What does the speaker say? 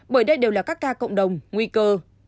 bởi đây đều là các ca cộng đồng nguy cơ